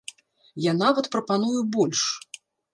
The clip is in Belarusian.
Я нават прапаную больш.